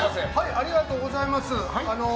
ありがとうございます。